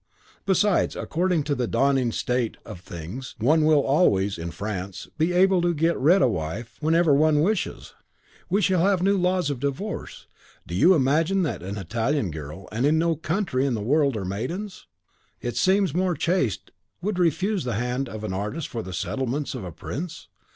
Besides, according to the dawning state of things, one will always, in France, be able to get rid of a wife whenever one wishes. We shall have new laws of divorce. Do you imagine that an Italian girl and in no country in the world are maidens, it seems, more chaste (though wives may console themselves with virtues more philosophical) would refuse the hand of an artist for the settlements of a prince?